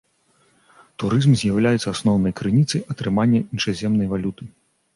Турызм з'яўляецца асноўнай крыніцай атрымання іншаземнай валюты.